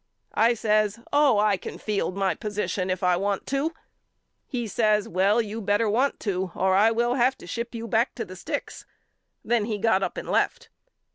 I says Oh I can field my position if I want to. He says Well you better want to or I will have to ship you back to the sticks. Then he got up and left.